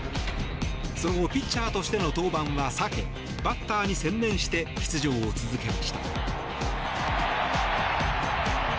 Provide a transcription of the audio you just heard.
その後ピッチャーとしての登板は避けバッターに専念して出場を続けました。